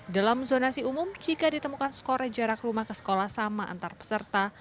dalam zonasi umum jika ditemukan skornya jarak rumah ke sekolah sama antar peserta